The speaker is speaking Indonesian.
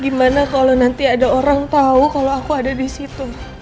gimana kalau nanti ada orang tahu kalau aku ada di situ